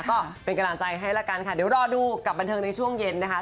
ก็เป็นกำลังใจให้ละกันค่ะเดี๋ยวรอดูกับบันเทิงในช่วงเย็นนะคะ